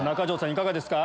いかがですか？